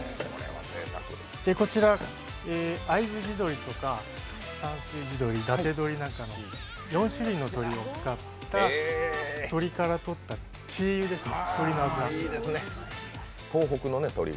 こちら会津地鶏、山水地鶏、伊達鶏なんかの４種類の鶏を使った、鶏からとった鶏油ですね。